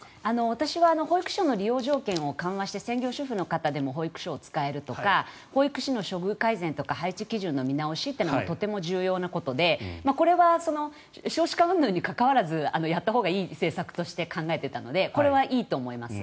私は保育所の利用条件を緩和して専業主婦の方でも保育所を使えるとか保育士の処遇改善とか配置基準の見直しというのはとても重要なことでこれは少子化うんぬんに関わらずやったほうがいい政策として考えていたのでこれはいいと思います。